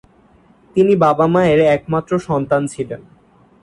তিনি বাবা মায়ের একমাত্র সন্তান ছিলেন।